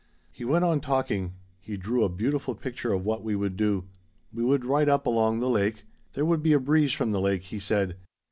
"He went on talking. He drew a beautiful picture of what we would do. We would ride up along the lake. There would be a breeze from the lake, he said.